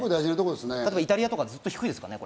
例えばイタリアとかはずっと低いですからね。